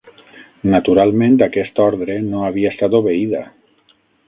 Naturalment, aquesta ordre no havia estat obeïda